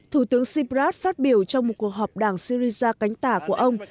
thủ tướng subras phát biểu trong một cuộc họp đảng syriza cánh tả của ông